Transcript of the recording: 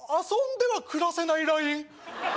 遊んでは暮らせないライン？